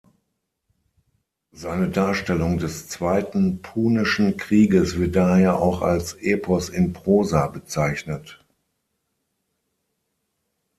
Seine Darstellung des Zweiten Punischen Krieges wird daher auch als „Epos in Prosa“ bezeichnet.